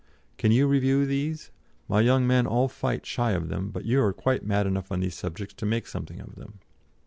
"Can you review these? My young men all fight shy of them, but you are quite mad enough on these subjects to make something of them."